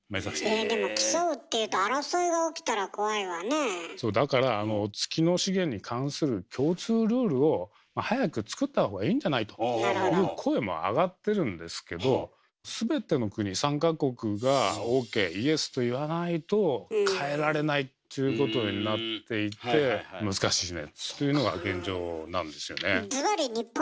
えでも競うっていうとそうだから早く作った方がいいんじゃない？という声もあがってるんですけど全ての国参加国がＯＫイエスと言わないと変えられないっていうことになっていて難しいねっていうのが現状なんですよね。